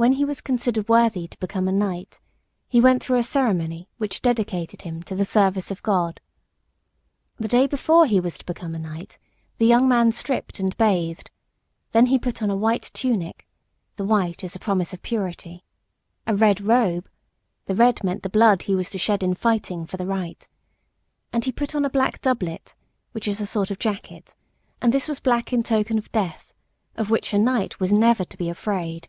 When he was considered worthy to become a knight he went through a ceremony which dedicated him to the service of God. The day before he was to become a knight the young man stripped and bathed. Then he put on a white tunic the white as a promise of purity; a red robe the red meant the blood he was to shed in fighting for the right; and he put on a black doublet (which is a sort of jacket), and this was black in token of death, of which a knight was never to be afraid.